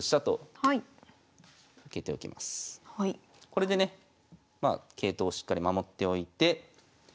これでね桂頭をしっかり守っておいて。